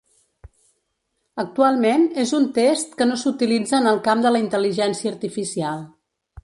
Actualment, és un test que no s'utilitza en el camp de la intel·ligència artificial.